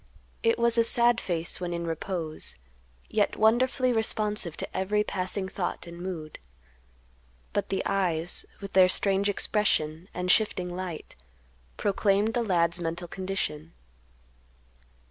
It was a sad face when in repose, yet wonderfully responsive to every passing thought and mood. But the eyes, with their strange expression, and shifting light, proclaimed the lad's mental condition.